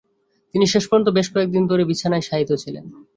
তিনি শেষ পর্যন্ত বেশ কয়েকদিন ধরে বিছানায় শায়িত ছিলেন।